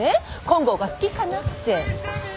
金剛が好きかなって。